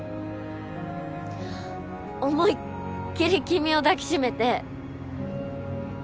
思いっきりキミを抱きしめて。